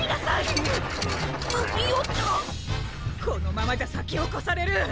このままじゃさきをこされる！